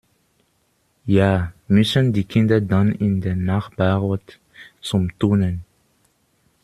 Ja, müssen die Kinder dann in den Nachbarort zum Turnen?